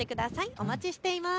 お待ちしています。